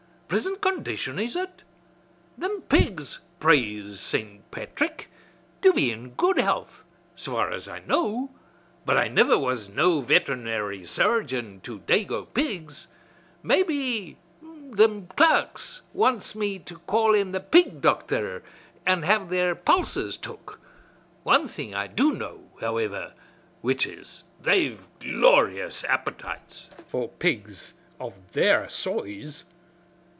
'Prisint condition, 'is ut? Thim pigs, praise St. Patrick, do be in good health, so far as I know, but I niver was no veternairy surgeon to dago pigs. Mebby thim clerks wants me to call in the pig docther an' have their pulses took. Wan thing I do know, howiver, which is they've glorious appytites for pigs of their soize.